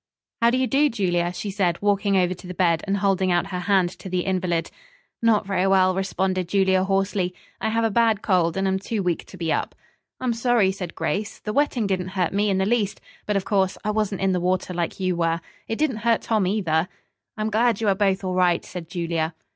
"How do you do, Julia?" she said, walking over to the bed and holding out her hand to the invalid. "Not very well," responded Julia hoarsely. "I have a bad cold and am too weak to be up." "I'm sorry," said Grace, "the wetting didn't hurt me in the least. But, of course, I wasn't in the water like you were. It didn't hurt Tom, either." "I'm glad you are both all right," said Julia.